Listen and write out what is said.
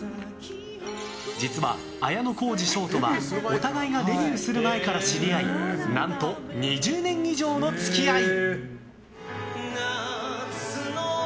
実は、綾小路翔とはお互いがデビューする前から知り合い何と２０年以上の付き合い。